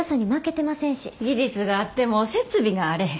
技術があっても設備があれへん。